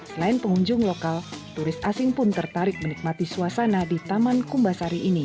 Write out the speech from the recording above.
selain pengunjung lokal turis asing pun tertarik menikmati suasana di taman kumbasari ini